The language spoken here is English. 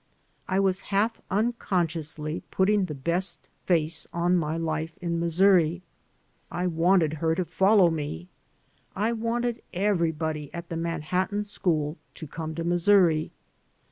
I was half unconsciously putting the best face on my life in Missouri. I wanted her to follow me. I wanted everybody at the Manhattan school to come to Missouri.